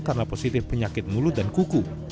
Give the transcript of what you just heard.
karena positif penyakit mulut dan kuku